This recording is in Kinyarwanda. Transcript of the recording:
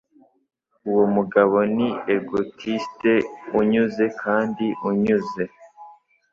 Uwo mugabo ni egotiste unyuze kandi unyuze.